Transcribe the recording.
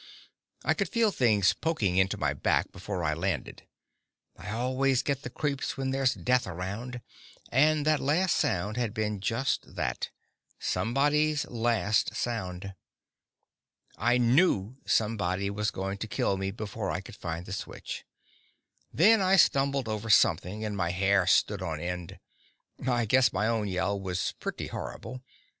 I could feel things poking into my back before I landed; I always get the creeps when there's death around, and that last sound had been just that somebody's last sound. I knew somebody was going to kill me before I could find the switch. Then I stumbled over something, and my hair stood on end. I guess my own yell was pretty horrible.